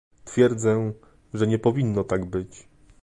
Twierdzę, że nie powinno tak być